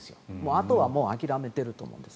あとは諦めていると思うんです。